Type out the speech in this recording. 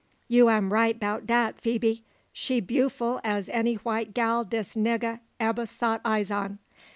"You am right 'bout dat, Phoebe. She bewful as any white gal dis nigga ebber sot eyes on.